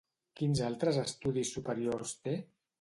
Quins altres estudis superiors té?